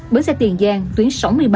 bến xe tiền giang tuyến sáu mươi ba một